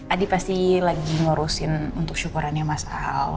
adi pasti lagi ngurusin untuk syukurannya mas al